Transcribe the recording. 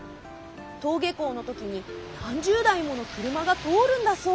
とうげこうのときになんじゅうだいものくるまがとおるんだそう。